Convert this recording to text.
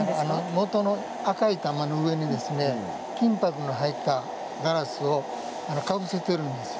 もとの赤い玉の上に金ぱくが入ったガラスを被せているんです。